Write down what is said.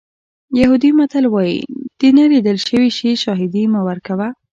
یهودي متل وایي د نه لیدل شوي شي شاهدي مه ورکوه.